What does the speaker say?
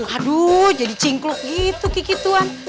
aduh jadi cingkluk gitu kikituan